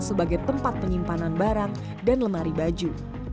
sebagai tempat penyimpanan barang dan lemari baju